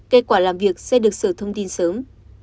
kết quả làm việc sẽ được sở thông tin sớm